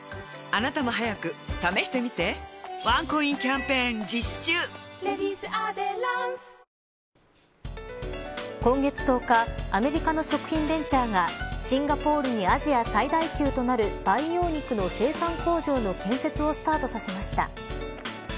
シンガポールで建設が始まったのは今月１０日アメリカの食品ベンチャーがシンガポールにアジア最大級となる培養肉の生産工場の建設をスタートさせました。